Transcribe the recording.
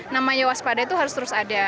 namanya waspada itu harus terus ada